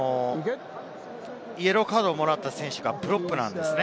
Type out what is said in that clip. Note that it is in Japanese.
イエローカードをもらった選手がプロップなんですよね。